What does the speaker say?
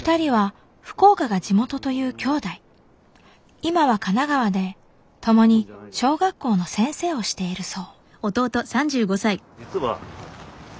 今は神奈川でともに小学校の先生をしているそう。